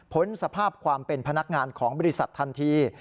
สภาพความเป็นพนักงานของบริษัททันที